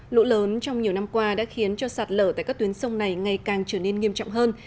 lũ lớn trong nhiều năm qua đã khiến cho sạt lở tại các tuyến sông này ngày càng trở nên nghiêm trọng hơn